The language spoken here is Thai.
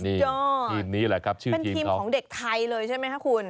นี่ทีมนี้แหละครับชื่อทีมเขาใช่ไหมครับคุณเป็นทีมของเด็กไทยเลยใช่ไหมครับคุณ